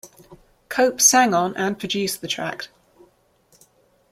Cope sang on and produced the track.